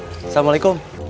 dan selama alaikum